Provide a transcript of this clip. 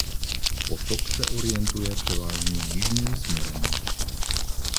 Potok se orientuje převážně jižním směrem.